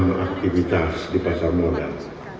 dalam aktivitas di pasar modal